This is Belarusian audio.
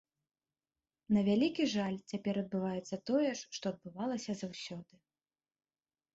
На вялікі жаль, цяпер адбываецца тое ж, што адбывалася заўсёды.